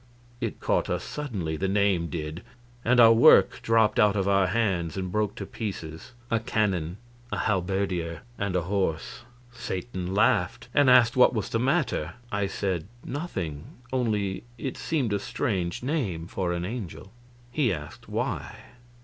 It caught us suddenly, that name did, and our work dropped out of our hands and broke to pieces a cannon, a halberdier, and a horse. Satan laughed, and asked what was the matter. I said, "Nothing, only it seemed a strange name for an angel." He asked why.